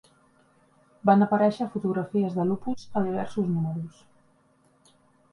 Van aparèixer fotografies de Lupus a diversos números.